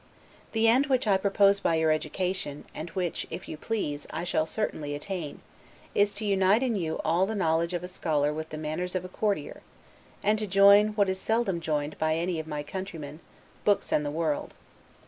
The end which I propose by your education, and which (IF YOU PLEASE) I shall certainly attain, is to unite in you all the knowledge of a scholar with the manners of a courtier; and to join, what is seldom joined by any of my countrymen, books and the world.